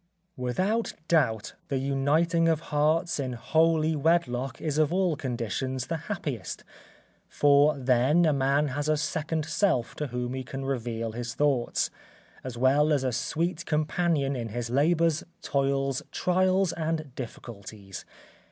_ Without doubt the uniting of hearts in holy wedlock is of all conditions the happiest; for then a man has a second self to whom he can reveal his thoughts, as well as a sweet companion in his labours, toils, trials, and difficulties.